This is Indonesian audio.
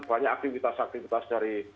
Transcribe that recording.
banyak aktivitas aktivitas dari